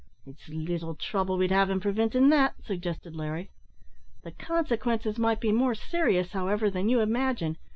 "It's little trouble we'd have in preventin' that," suggested Larry. "The consequences might be more serious, however, than you imagine.